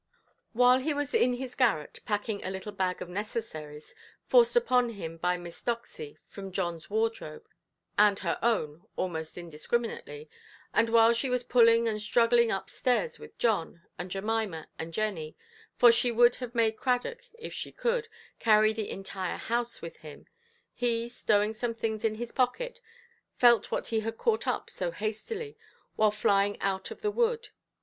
While he was in his garret packing a little bag of necessaries, forced upon him by Miss Doxy from Johnʼs wardrobe and her own almost indiscriminately, and while she was pulling and struggling up–stairs with John, and Jemima, and Jenny—for she would have made Cradock, if she could, carry the entire house with him—he, stowing some things in his pocket, felt what he had caught up so hastily, while flying out of the wood.